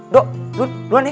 do lun duluan ya